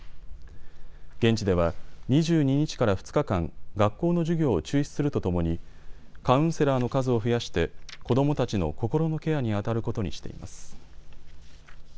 現地では２２日から２日間、学校の授業を中止するとともにカウンセラーの数を増やして子どもたちの心のケアに当たることにしています。